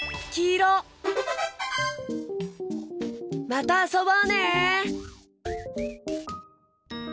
またあそぼうね！